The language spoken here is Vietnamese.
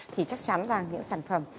thì chắc chắn rằng những sản phẩm